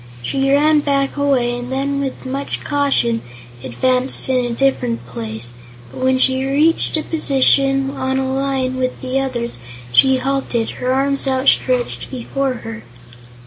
She ran back a way and then with much caution advanced in a different place, but when she reached a position on a line with the others she halted, her arms outstretched before her.